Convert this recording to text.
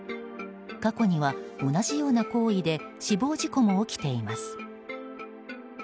過去には同じような行為で死亡事故も起きています。